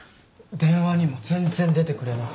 電話にも全然出てくれなくて。